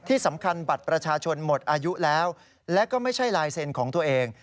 ที่สำคัญบัตรประชาชนหมดอายุแล้วและก็ไม่ใช่ลายเซ็นต์ของตัวเอง